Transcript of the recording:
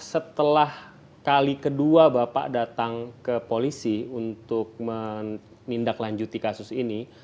setelah kali kedua bapak datang ke polisi untuk menindaklanjuti kasus ini